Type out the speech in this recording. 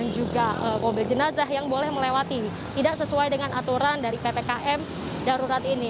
juga mobil jenazah yang boleh melewati tidak sesuai dengan aturan dari ppkm darurat ini